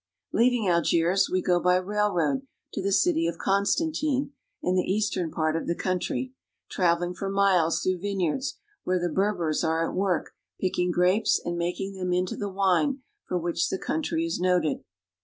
Leaving Algiers, we go by railroad to the city of Con stantine (k6N staN ten'), in the eastern part of the country, traveling for miles through vineyards, where the Berbers are at, work picking grapes and making them into the wine for which the country is noted.